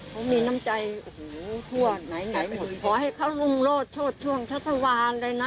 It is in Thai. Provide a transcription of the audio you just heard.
เขามีน้ำใจโอ้โหทั่วไหนไหนหมดขอให้เขารุ่งโลศโชดช่วงชัชวานเลยนะ